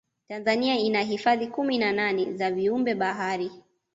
tanzania ina hifadhi kumi na nane za viumbe bahari